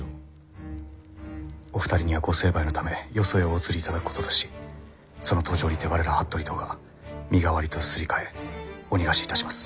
お二人にはご成敗のためよそへお移りいただくこととしその途上にて我ら服部党が身代わりとすり替えお逃がしいたします。